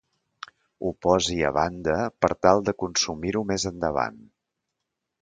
Ho posi a banda per tal de consumir-ho més endavant.